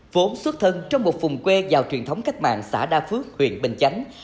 vốn xuất thân trong một vùng quê giàu truyền thống cách mạng xã đa phước huyện bình chánh